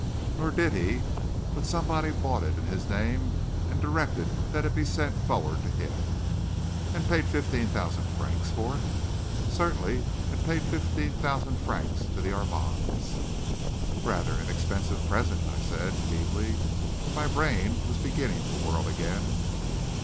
"Nor did he. But somebody bought it in his name and directed that it be sent forward to him." "And paid fifteen thousand francs for it?" "Certainly and paid fifteen thousand francs to the Armands." "Rather an expensive present," I said, feebly, for my brain was beginning to whirl again.